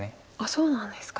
そうなんですか。